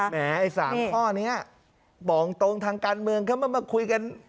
แหมไอ้สามข้อนี้บ่องตรงทางการเมืองเข้ามามาคุยกัน